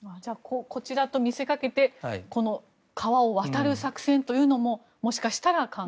こちらと見せかけて川を渡る作戦というのももしかしてと。